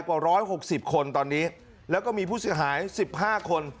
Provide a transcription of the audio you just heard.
กว่าร้อยหกสิบคนตอนนี้แล้วก็มีผู้เสียหายสิบห้าคน